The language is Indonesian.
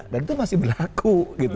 dan itu masih berlaku